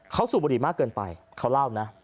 เขาสูบบุหรี่มากเกินไปเขาเล่านะ